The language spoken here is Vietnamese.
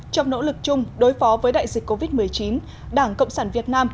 trong nỗ lực chung đối phó với đại dịch covid một mươi chín đảng cộng sản việt nam